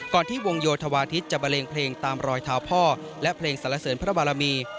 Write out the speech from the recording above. ที่วงโยธวาทิศจะบันเลงเพลงตามรอยเท้าพ่อและเพลงสรรเสริญพระบารมี